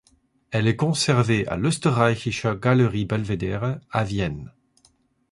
Elle est conservée à l'Österreichische Galerie Belvedere, à Vienne.